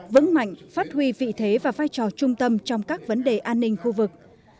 vững mạnh phát huy vị thế và vai trò trung tâm trong các vấn đề an ninh khu vực